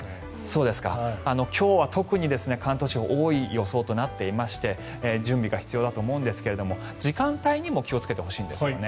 今日は特に関東地方多い予想となっていまして準備が必要だと思うんですが時間帯にも気をつけてほしいんですね。